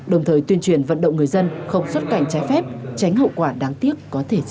đồng thời tuyên truyền vận động người dân không xuất cảnh trái phép tránh hậu quả đáng tiếc có thể xảy ra